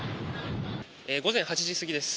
午前８時過ぎです。